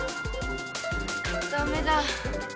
ダメだ。